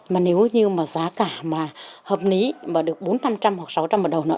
mà nếu như mà giá cả mà hợp lý mà được bốn trăm linh hoặc sáu trăm linh một đầu nữa